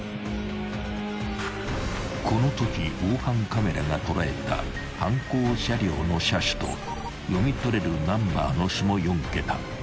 ［このとき防犯カメラが捉えた犯行車両の車種と読み取れるナンバーの下４桁］